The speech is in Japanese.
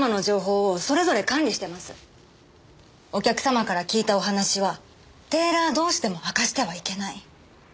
お客様から聞いたお話はテーラー同士でも明かしてはいけない。